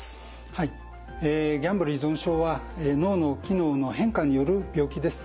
はいギャンブル依存症は脳の機能の変化による病気です。